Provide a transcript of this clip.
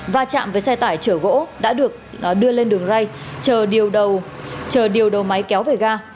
va chạm với xe tải chở gỗ đã được đưa lên đường rây chờ điều đầu máy kéo về ga